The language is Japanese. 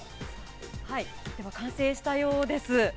では、完成したようです。